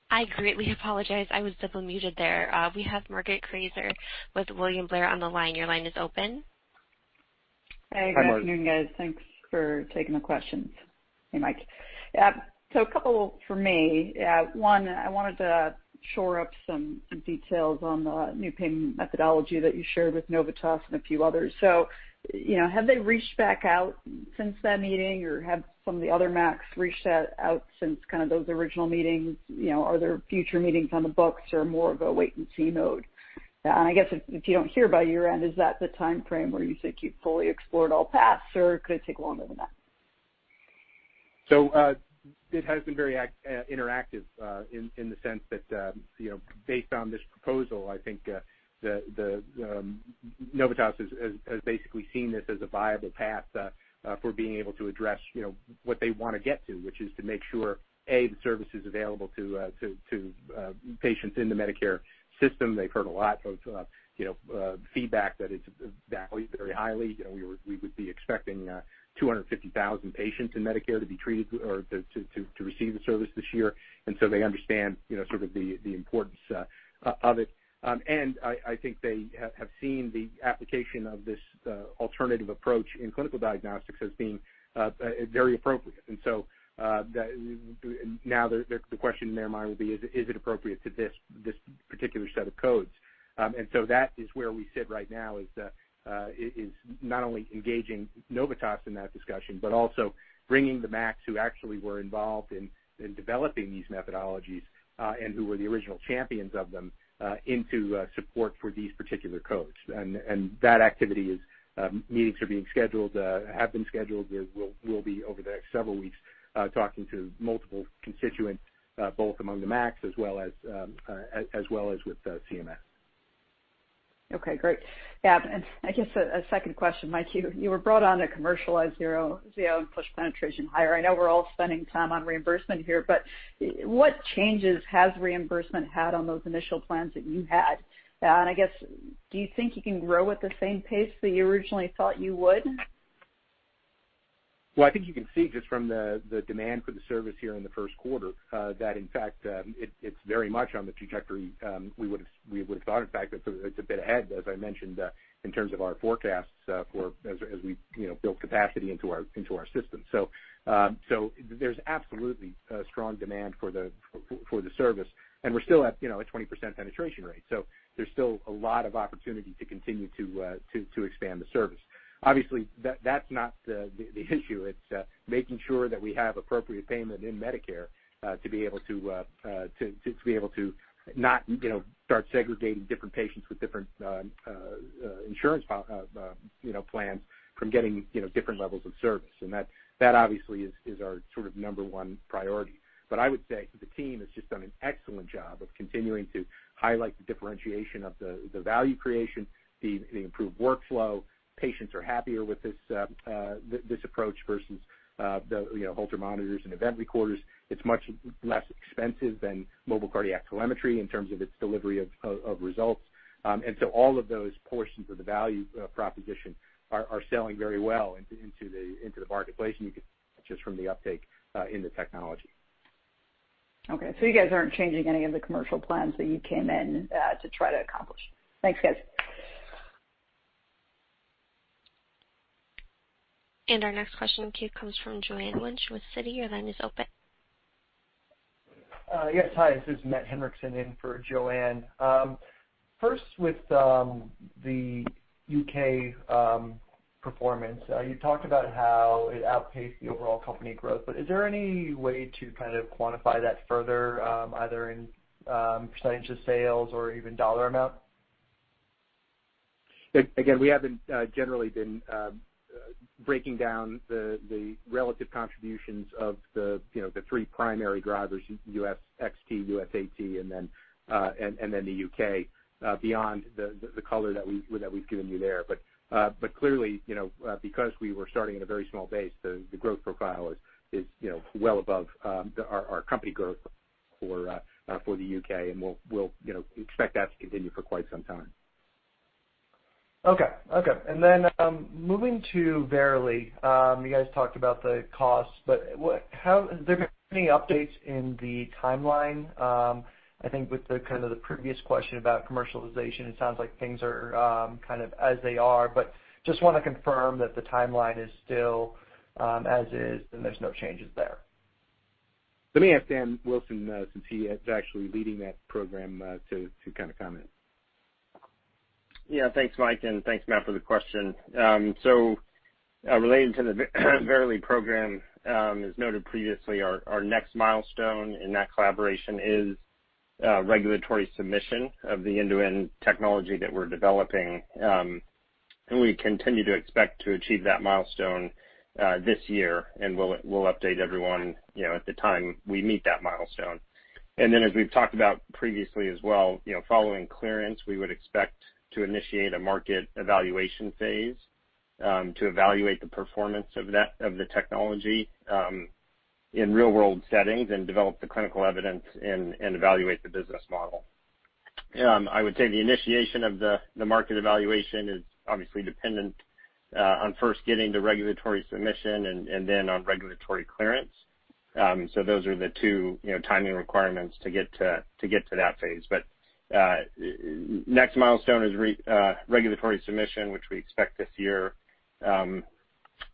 I greatly apologize. I was double muted there. We have Margaret Kaczor with William Blair on the line. Hi, Margaret. Hey, good afternoon, guys. Thanks for taking the questions. Hey, Mike. A couple for me. One, I wanted to shore up some details on the new payment methodology that you shared with Novitas and a few others. Have they reached back out since that meeting, or have some of the other MACs reached out since kind of those original meetings? Are there future meetings on the books or more of a wait-and-see mode? I guess if you don't hear by your end, is that the timeframe where you think you've fully explored all paths, or could it take longer than that? It has been very interactive in the sense that based on this proposal, I think Novitas has basically seen this as a viable path for being able to address what they want to get to, which is to make sure, A, the service is available to patients in the Medicare system. They've heard a lot of feedback that it's valued very highly. We would be expecting 250,000 patients in Medicare to be treated or to receive the service this year. They understand sort of the importance of it. I think they have seen the application of this alternative approach in clinical diagnostics as being very appropriate. Now the question in their mind will be, is it appropriate to this particular set of codes? that is where we sit right now is not only engaging Novitas in that discussion, but also bringing the MACs who actually were involved in developing these methodologies, and who were the original champions of them, into support for these particular codes. That activity is, meetings are being scheduled, have been scheduled. We'll be over the next several weeks, talking to multiple constituents, both among the MACs as well as with CMS. Okay, great. Yeah, I guess a second question, Mike. You were brought on to commercialize Zio and push penetration higher. I know we're all spending time on reimbursement here, what changes has reimbursement had on those initial plans that you had? I guess, do you think you can grow at the same pace that you originally thought you would? I think you can see just from the demand for the service here in the first quarter, that in fact, it's very much on the trajectory we would've thought. It's a bit ahead, as I mentioned, in terms of our forecasts as we build capacity into our system. There's absolutely a strong demand for the service and we're still at a 20% penetration rate. There's still a lot of opportunity to continue to expand the service. Obviously, that's not the issue. It's making sure that we have appropriate payment in Medicare to be able to not start segregating different patients with different insurance plans from getting different levels of service. That obviously is our sort of number one priority. I would say the team has just done an excellent job of continuing to highlight the differentiation of the value creation, the improved workflow. Patients are happier with this approach versus the Holter monitors and event recorders. It's much less expensive than mobile cardiac telemetry in terms of its delivery of results. All of those portions of the value proposition are selling very well into the marketplace, and you can tell just from the uptake in the technology. Okay, you guys aren't changing any of the commercial plans that you came in to try to accomplish. Thanks, guys. Our next question in queue comes from Joanne Wuensch with Citi. Your line is open. Yes. Hi, this is Matt Miksic in for Joanne. First with the U.K. performance, you talked about how it outpaced the overall company growth, is there any way to kind of quantify that further, either in percent of sales or even dollar amount? Again, we haven't generally been breaking down the relative contributions of the three primary drivers, XT, US AT, and then the U.K., beyond the color that we've given you there. Clearly, because we were starting at a very small base, the growth profile is well above our company growth for the U.K. and we'll expect that to continue for quite some time. Okay. Moving to Verily, you guys talked about the cost, but are there any updates in the timeline? I think with the kind of the previous question about commercialization, it sounds like things are kind of as they are, but just want to confirm that the timeline is still as is and there's no changes there. Let me ask Daniel Wilson, since he is actually leading that program to kind of comment. Yeah. Thanks, Mike, and thanks, Matt, for the question. Related to the Verily program, as noted previously, our next milestone in that collaboration is regulatory submission of the end-to-end technology that we're developing. We continue to expect to achieve that milestone this year and we'll update everyone at the time we meet that milestone. As we've talked about previously as well, following clearance, we would expect to initiate a market evaluation phase to evaluate the performance of the technology in real world settings and develop the clinical evidence and evaluate the business model. I would say the initiation of the market evaluation is obviously dependent on first getting the regulatory submission and then on regulatory clearance. Those are the two timing requirements to get to that phase. Next milestone is regulatory submission, which we expect this year, and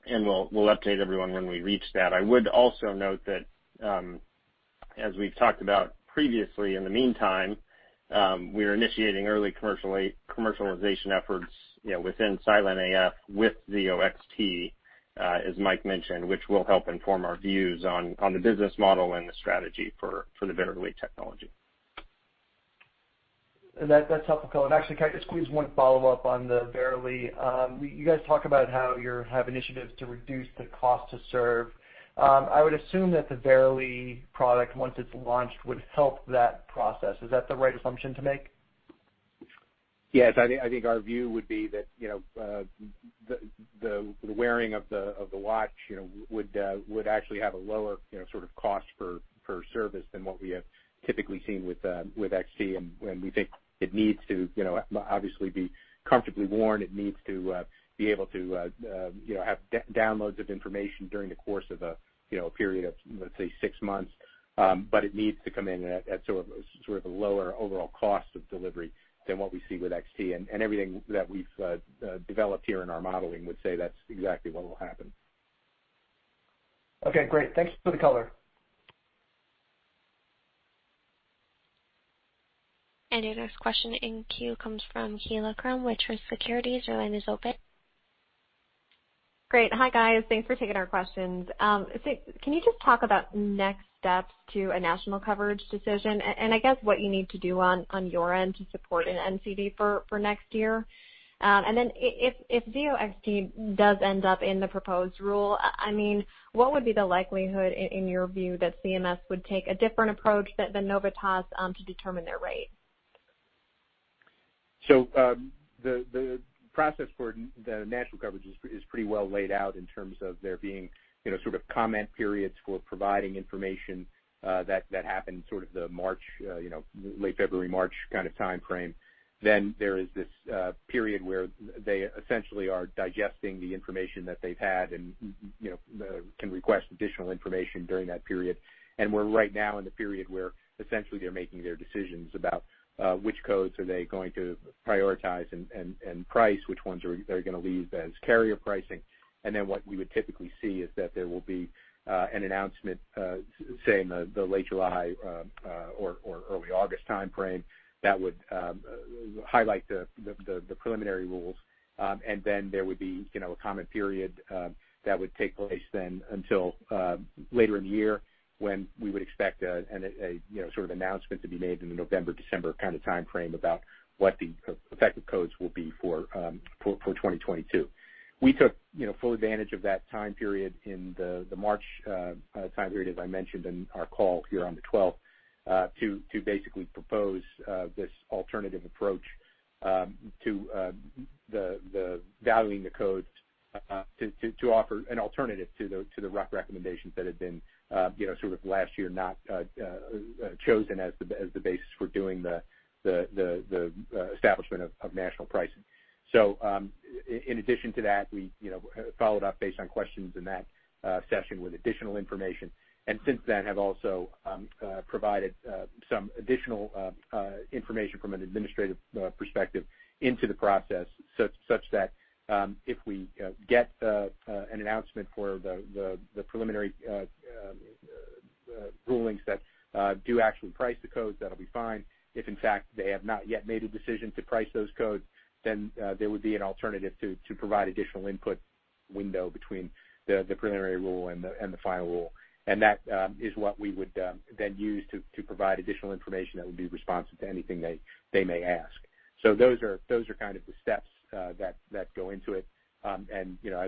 we'll update everyone when we reach that. I would also note that, as we've talked about previously, in the meantime, we are initiating early commercialization efforts within silent AF with Zio XT, as Mike mentioned, which will help inform our views on the business model and the strategy for the Verily technology. That's helpful. Actually, can I just squeeze one follow-up on the Verily? You guys talk about how you have initiatives to reduce the cost to serve. I would assume that the Verily product, once it's launched, would help that process. Is that the right assumption to make? Yes, I think our view would be that the wearing of the watch would actually have a lower sort of cost per service than what we have typically seen with XT and we think it needs to obviously be comfortably worn. It needs to be able to have downloads of information during the course of a period of, let's say, six months. It needs to come in at sort of a lower overall cost of delivery than what we see with XT. Everything that we've developed here in our modeling would say that's exactly what will happen. Okay, great. Thanks for the color. The next question in queue comes from Kaila Krum with Truist Securities. Your line is open. Great. Hi, guys. Thanks for taking our questions. Can you just talk about next steps to a national coverage decision and I guess what you need to do on your end to support an NCD for next year? If Zio XT does end up in the proposed rule, what would be the likelihood, in your view, that CMS would take a different approach than Novitas to determine their rate? The process for the national coverage is pretty well laid out in terms of there being comment periods for providing information that happened sort of the late February, March kind of timeframe. There is this period where they essentially are digesting the information that they've had and can request additional information during that period. We're right now in the period where essentially they're making their decisions about which codes are they going to prioritize and price, which ones are they going to leave as carrier pricing. What we would typically see is that there will be an announcement, say, in the late July or early August timeframe that would highlight the preliminary rules. There would be a comment period that would take place then until later in the year when we would expect a sort of announcement to be made in the November, December kind of timeframe about what the effective codes will be for 2022. We took full advantage of that time period in the March time period, as I mentioned in our call here on the 12th, to basically propose this alternative approach to valuing the codes to offer an alternative to the recommendations that had been last year, not chosen as the basis for doing the establishment of national pricing. In addition to that, we followed up based on questions in that session with additional information, and since then have also provided some additional information from an administrative perspective into the process, such that if we get an announcement for the preliminary rulings that do actually price the codes, that'll be fine. If, in fact, they have not yet made a decision to price those codes, then there would be an alternative to provide additional input window between the preliminary rule and the final rule. That is what we would then use to provide additional information that would be responsive to anything they may ask. Those are kind of the steps that go into it. As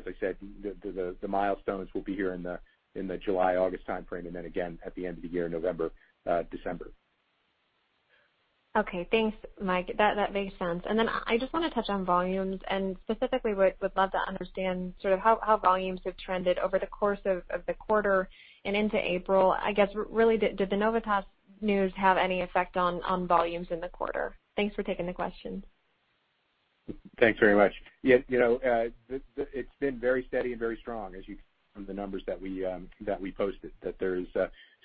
I said, the milestones will be here in the July, August timeframe, and then again at the end of the year, November, December. Okay. Thanks, Mike. That makes sense. I just want to touch on volumes and specifically would love to understand sort of how volumes have trended over the course of the quarter and into April. I guess, really, did the Novitas news have any effect on volumes in the quarter? Thanks for taking the question. Thanks very much. It's been very steady and very strong as you see from the numbers that we posted, that there's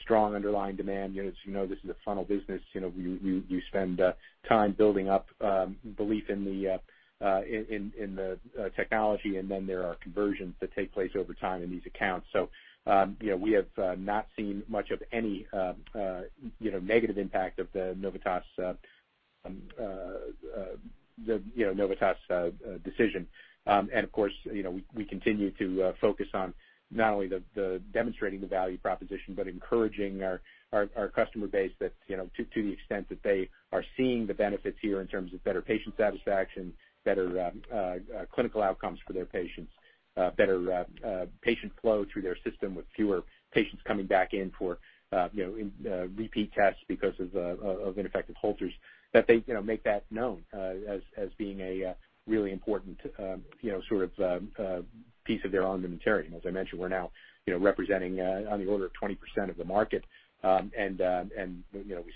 strong underlying demand. As you know, this is a funnel business. You spend time building up belief in the technology, and then there are conversions that take place over time in these accounts. We have not seen much of any negative impact of the Novitas decision. Of course, we continue to focus on not only demonstrating the value proposition but encouraging our customer base that to the extent that they are seeing the benefits here in terms of better patient satisfaction, better clinical outcomes for their patients, better patient flow through their system with fewer patients coming back in for repeat tests because of ineffective Holters, that they make that known as being a really important piece of their own inventory. As I mentioned, we're now representing on the order of 20% of the market. We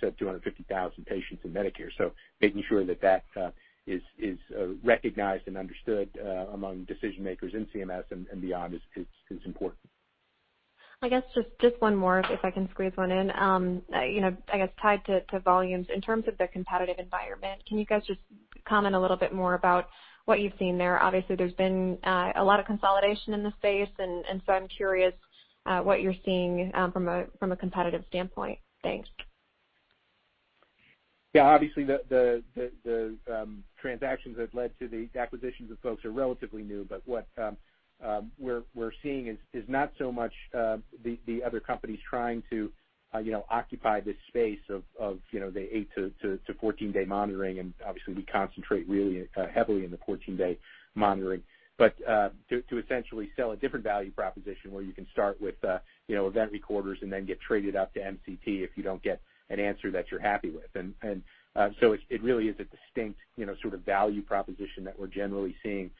said 250,000 patients in Medicare. Making sure that is recognized and understood among decision-makers in CMS and beyond is important. I guess just one more if I can squeeze one in. I guess tied to volumes, in terms of the competitive environment, can you guys just comment a little bit more about what you've seen there? Obviously, there's been a lot of consolidation in the space, and so I'm curious what you're seeing from a competitive standpoint. Thanks. Yeah. Obviously, the transactions that led to the acquisitions of folks are relatively new. What we're seeing is not so much the other companies trying to occupy this space of the eight to 14-day monitoring, and obviously we concentrate really heavily in the 14-day monitoring. To essentially sell a different value proposition where you can start with event recorders and then get traded up to MCT if you don't get an answer that you're happy with. It really is a distinct sort of value proposition that we're generally seeing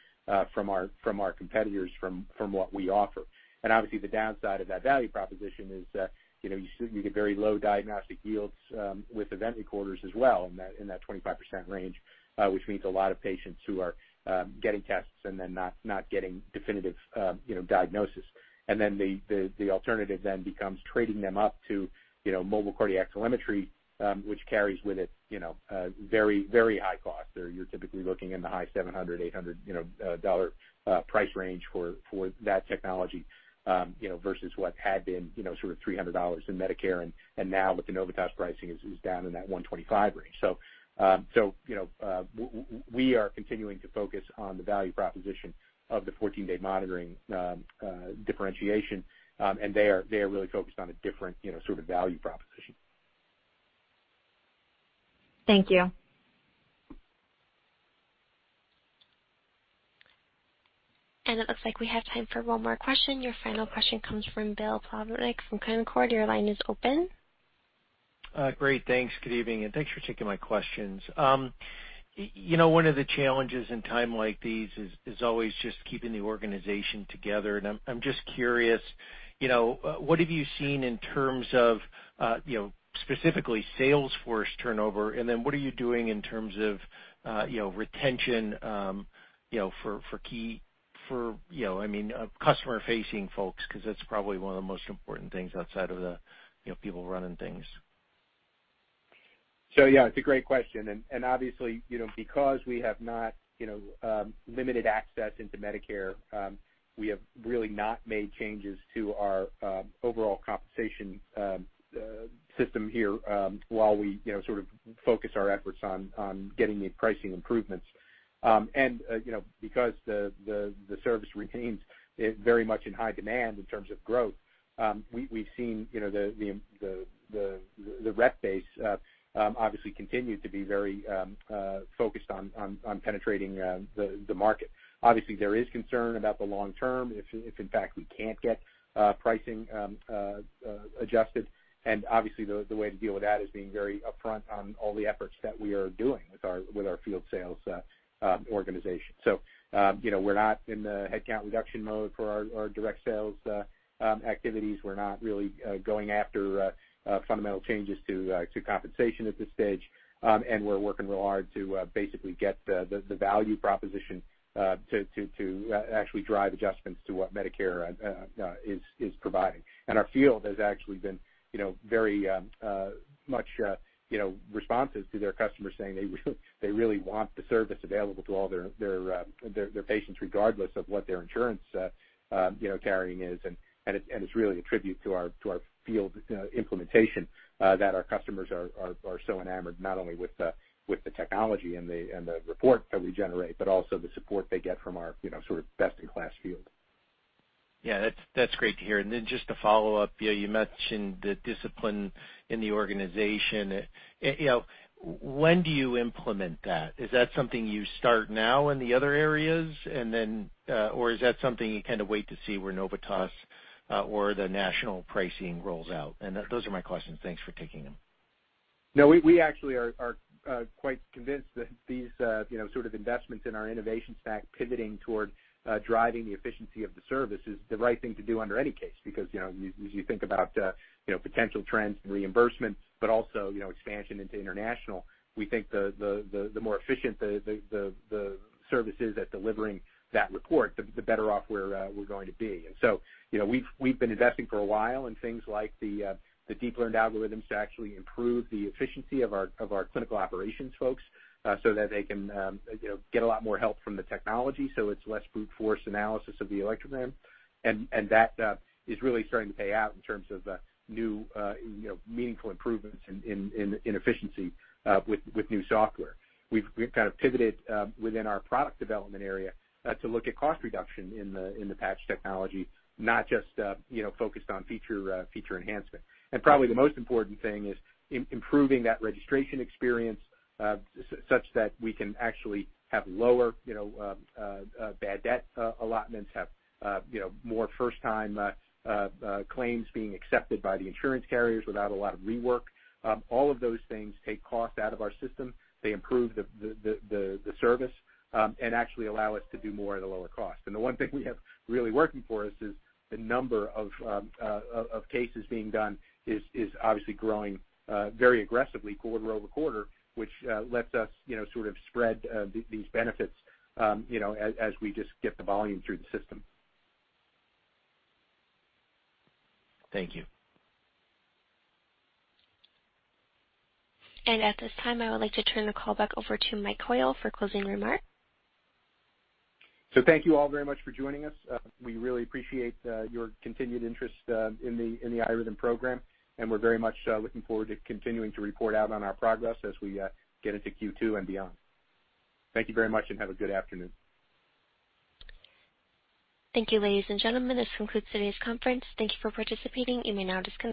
from our competitors from what we offer. Obviously, the downside of that value proposition is you get very low diagnostic yields with event recorders as well in that 25% range, which means a lot of patients who are getting tests and then not getting definitive diagnosis. The alternative then becomes trading them up to mobile cardiac telemetry, which carries with it very high cost. You're typically looking in the high $700, $800 price range for that technology versus what had been sort of $300 in Medicare and now with the Novitas pricing is down in that $125 range. We are continuing to focus on the value proposition of the 14-day monitoring differentiation, and they are really focused on a different sort of value proposition. Thank you. It looks like we have time for one more question. Your final question comes from Bill Plovanic from Canaccord Genuity. Your line is open. Great. Thanks. Good evening, and thanks for taking my questions. One of the challenges in time like these is always just keeping the organization together. I'm just curious, what have you seen in terms of specifically sales force turnover, and then what are you doing in terms of retention for customer-facing folks? That's probably one of the most important things outside of the people running things. Yeah, it's a great question, obviously because we have not limited access into Medicare, we have really not made changes to our overall compensation system here while we sort of focus our efforts on getting the pricing improvements. Because the service remains very much in high demand in terms of growth, we've seen the rep base obviously continue to be very focused on penetrating the market. Obviously, there is concern about the long term if, in fact, we can't get pricing adjusted, and obviously the way to deal with that is being very upfront on all the efforts that we are doing with our field sales organization. We're not in the headcount reduction mode for our direct sales activities. We're not really going after fundamental changes to compensation at this stage, and we're working real hard to basically get the value proposition to actually drive adjustments to what Medicare is providing. Our field has actually been very much responsive to their customers, saying they really want the service available to all their patients, regardless of what their insurance carrying is. It's really a tribute to our field implementation that our customers are so enamored, not only with the technology and the report that we generate, but also the support they get from our sort of best-in-class field. Yeah, that's great to hear. Just to follow up, you mentioned the discipline in the organization. When do you implement that? Is that something you start now in the other areas or is that something you kind of wait to see where Novitas or the national pricing rolls out? Those are my questions. Thanks for taking them. No, we actually are quite convinced that these sort of investments in our innovation stack pivoting toward driving the efficiency of the service is the right thing to do under any case. Because as you think about potential trends in reimbursement but also expansion into international, we think the more efficient the service is at delivering that report, the better off we're going to be. We've been investing for a while in things like the deep learned algorithms to actually improve the efficiency of our clinical operations folks so that they can get a lot more help from the technology, so it's less brute force analysis of the electrogram. That is really starting to pay out in terms of new, meaningful improvements in efficiency with new software. We've kind of pivoted within our product development area to look at cost reduction in the patch technology, not just focused on feature enhancement. Probably the most important thing is improving that registration experience such that we can actually have lower bad debt allotments, have more first-time claims being accepted by the insurance carriers without a lot of rework. All of those things take cost out of our system. They improve the service and actually allow us to do more at a lower cost. The one thing we have really working for us is the number of cases being done is obviously growing very aggressively quarter-over-quarter, which lets us sort of spread these benefits as we just get the volume through the system. Thank you. At this time, I would like to turn the call back over to Mike Coyle for closing remarks. Thank you all very much for joining us. We really appreciate your continued interest in the iRhythm program, and we're very much looking forward to continuing to report out on our progress as we get into Q2 and beyond. Thank you very much, and have a good afternoon. Thank you, ladies and gentlemen. This concludes today's conference. Thank you for participating. You may now disconnect.